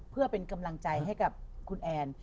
เพื่อเป็นกำลังใจให้กับคุณแอน